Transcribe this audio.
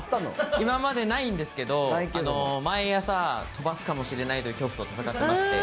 今までないんですけど、毎朝、飛ばすかもしれないという恐怖と闘ってまして。